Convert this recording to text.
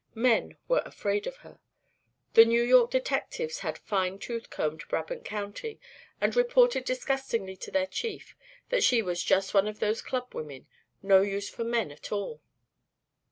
Men were afraid of her. The New York detectives had "fine tooth combed" Brabant County and reported disgustedly to their chief that she was "just one of those club women; no use for men at all."